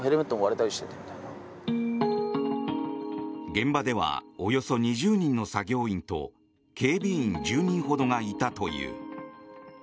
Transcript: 現場ではおよそ２０人の作業員と警備員１０人ほどがいたという。